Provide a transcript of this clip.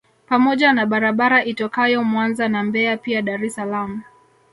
Pamoja na barabara itokayo Mwanza na Mbeya pia Dar es Salaam